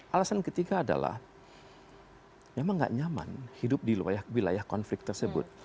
alasan ketiga adalah memang nggak nyaman hidup di wilayah konflik tersebut